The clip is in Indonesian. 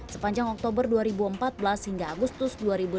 sepanjang oktober dua ribu empat belas hingga agustus dua ribu delapan belas